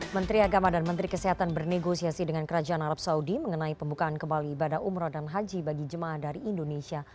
menteri agama dan menteri kesehatan bernegosiasi dengan kerajaan arab saudi mengenai pembukaan kembali ibadah umroh dan haji bagi jemaah dari indonesia